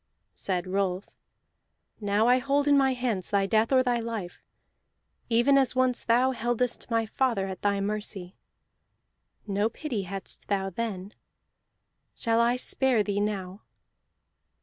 Said Rolf: "Now I hold in my hands thy death or thy life, even as once thou heldest my father at thy mercy. No pity hadst thou then. Shall I spare thee now?"